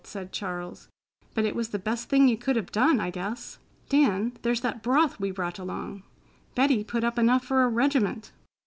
said Charles. "But it was the best thing you could have done, I guess. Dan, there's that broth we brought along. Betty put up enough for a regiment."